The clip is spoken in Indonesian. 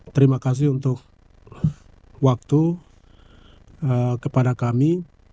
terima kasih untuk waktu kepada kami